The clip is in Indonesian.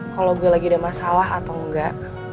kalau gue lagi ada masalah atau enggak